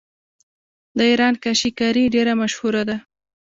د ایران کاشي کاري ډیره مشهوره ده.